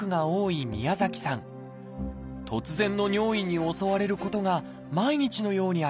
突然の尿意に襲われることが毎日のようにありました。